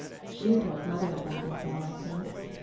She told Mother about it, though, I think.